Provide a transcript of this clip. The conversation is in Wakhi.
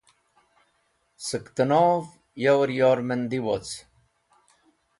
Sẽktẽnov yor yormandi woc.